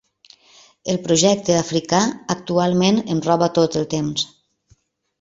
El projecte africà actualment em roba tot el temps.